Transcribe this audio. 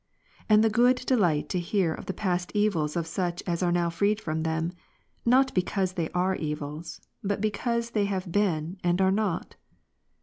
And the good delight to hear of the past evils of such as are now freed from them, not because they are evils, but because they have been and are not.